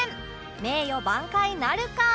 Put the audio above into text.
名誉挽回なるか？